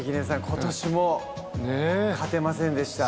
ことしも勝てませんでした。